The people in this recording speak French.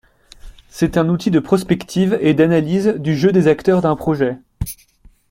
C'est un outil de prospective et d'analyse du jeu des acteurs d'un projet.